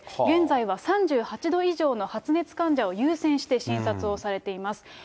現在は３８度以上の発熱患者を優先して診察をされています。